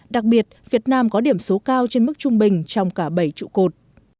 đặc biệt việt nam có điểm số cao trên mức trung bình trong cả bảy trụ cột